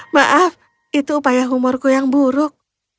maaf itu upaya humorku yang buruk